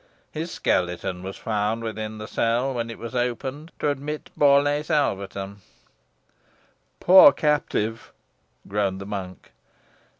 His skeleton was found within the cell when it was opened to admit Borlace Alvetham." "Poor captive!" groaned the monk.